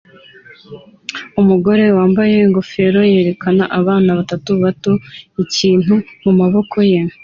umugore wambaye ingofero yerekana abana batatu bato ikintu mumaboko ye